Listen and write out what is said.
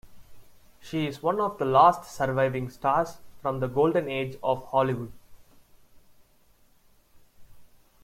She is one of the last surviving stars from the Golden Age of Hollywood.